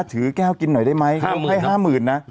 ถือกแก้วกินหน่อยได้ไหมให้ห้ามื่นนะ